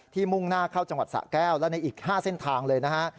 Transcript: มุ่งหน้าเข้าจังหวัดสะแก้วและในอีก๕เส้นทางเลยนะฮะ